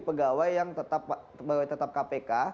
pegawai yang tetap kpk